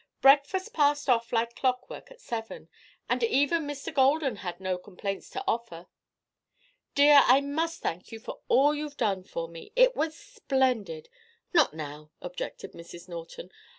"Breakfast passed off like clockwork at seven, and even Mr. Golden had no complaints to offer. Dear, I must thank you for all you've done for me. It was splendid " "Not now," objected Mrs. Norton.